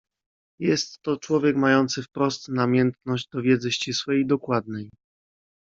"Jest to człowiek, mający wprost namiętność do wiedzy ścisłej i dokładnej."